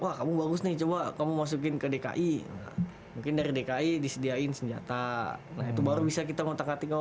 wah kamu bagus nih coba kamu masukin ke dki mungkin dari dki disediain senjata nah itu baru bisa kita ngotak atik oh